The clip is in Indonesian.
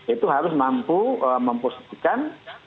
itu harus mampu mempositikan